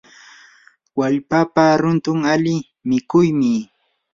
wallpapa runtun ali mikuymi.